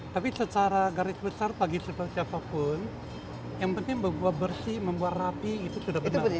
tapi secara garis besar bagi siapapun yang penting bahwa bersih membuat rapi itu sudah benar